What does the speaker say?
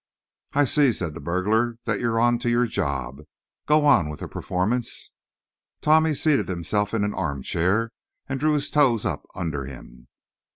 "I see," said the burglar, "that you're on to your job. Go on with the performance." Tommy seated himself in an armchair and drew his toes up under him.